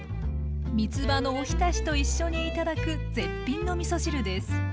みつばのおひたしと一緒に頂く絶品のみそ汁です。